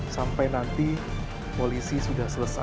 sampai nanti polisi sudah selesai